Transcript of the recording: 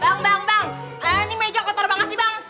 bang bang bang ini meja kotor banget sih bang